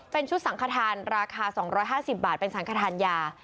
เป็นชุดสังขทานราคา๒๕๐บาทเป็นสังขทานยา